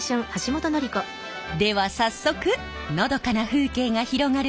では早速のどかな風景が広がる